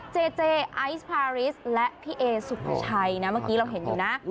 เจเจไอซ์พาริสและพี่เอสุภาชัยนะเมื่อกี้เราเห็นอยู่นะ